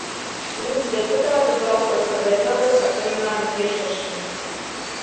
Lūdzu deputātus balsot par bezalgas atvaļinājuma piešķiršanu!